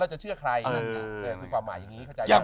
แล้วจะเชื่อใครเออเออคือความหมายอย่างงี้เข้าใจอย่าง